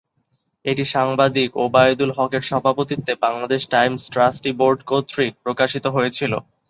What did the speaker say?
এটি সাংবাদিক ওবায়দুল হকের সভাপতিত্বে বাংলাদেশ টাইমস ট্রাস্টি বোর্ড কর্তৃক প্রকাশিত হয়েছিল।